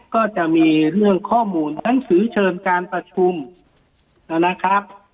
ก็จะมีเรื่องข้อมูลหนังสือเชิญการประชุมนะครับ